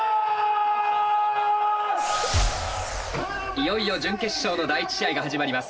いよいよ準決勝の第１試合が始まります。